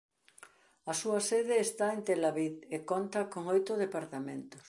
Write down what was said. A súa sede está en Tel Aviv e conta con oito departamentos.